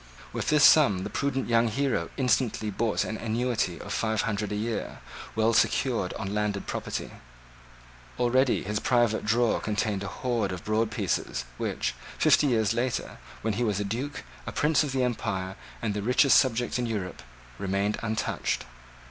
With this sum the prudent young hero instantly bought an annuity of five hundred a year, well secured on landed property. Already his private drawer contained a hoard of broad pieces which, fifty years later, when he was a Duke, a Prince of the Empire, and the richest subject in Europe, remained untouched.